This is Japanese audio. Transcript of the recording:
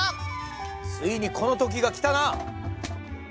ついにこの時が来たな！